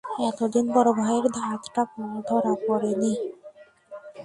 এতদিন বড়োভাইয়ের ধাতটা ধরা পড়ে নি।